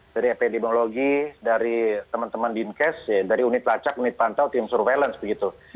dari epidemiologi dari teman teman dinkes dari unit lacak unit pantau tim surveillance begitu